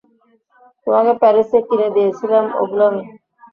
তোমাকে প্যারিসে কিনে দিয়েছিলাম ওগুলো আমি।